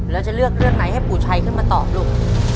แล้วจะเลือกเรื่องไหนให้ปู่ชัยขึ้นมาตอบลูก